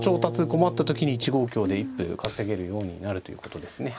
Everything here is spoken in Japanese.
困った時に１五香で一歩稼げるようになるということですね。